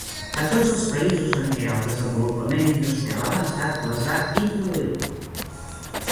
A tots els països en què el desenvolupament industrial avançat les ha introduït.